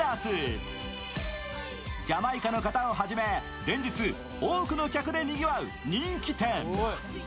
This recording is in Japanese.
ジャマイカの方をはじめ連日、多くの方でにぎわう人気店。